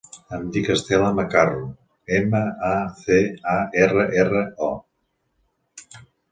Em dic Estela Macarro: ema, a, ce, a, erra, erra, o.